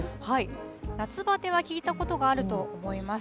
夏バテは聞いたことがあると思います。